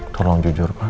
tolong jujur sama aku